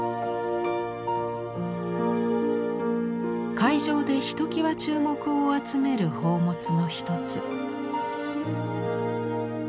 会場でひときわ注目を集める宝物の一つ